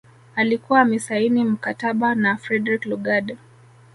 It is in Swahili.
Alikuwa amesaini mkataba na Frederick Lugard